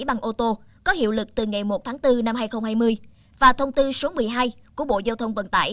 bằng ô tô có hiệu lực từ ngày một tháng bốn năm hai nghìn hai mươi và thông tư số một mươi hai của bộ giao thông vận tải